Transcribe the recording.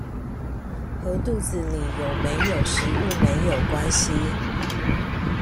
和肚子裡有沒有食物沒有關係